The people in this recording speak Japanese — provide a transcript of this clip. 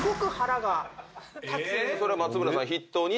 それは松村さん筆頭に？